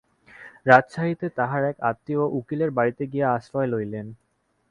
রাজশাহিতে তাঁহার এক আত্মীয় উকিলের বাড়িতে গিয়া আশ্রয় লইলেন।